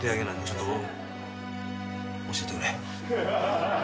ちょっと教えてくれ。